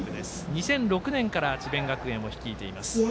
２００６年から智弁学園を率いています。